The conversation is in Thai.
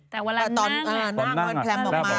แต่เวลานั่งตอนนั่งพลัมบอกมา